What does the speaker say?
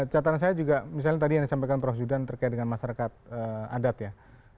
catatan saya juga misalnya tadi yang disampaikan prof zudan terkait dengan masyarakat adat ya